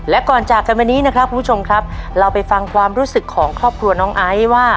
และก่อนจากกันวันนี้นะครับคุณผู้ชมครับเราไปฟังความรู้สึกของครอบครัวน้องไอซ์ว่า